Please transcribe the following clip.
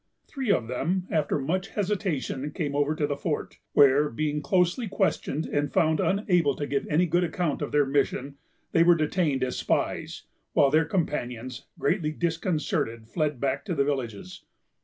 Three of them, after much hesitation, came over to the fort, where, being closely questioned, and found unable to give any good account of their mission, they were detained as spies; while their companions, greatly disconcerted, fled back to their villages.